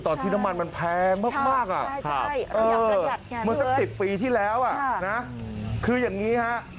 ตอนที่น้ำมันมันแพ้มากอ่ะครับเออเหมือนสัก๑๐ปีที่แล้วอ่ะนะคืออย่างนี้ครับ